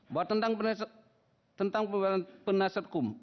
buat tentang penasihat hukum